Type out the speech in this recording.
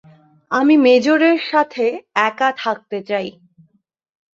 আমি মেজরের সাথে একা থাকতে চাই।